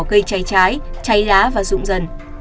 gây trái trái trái lá và rụng dần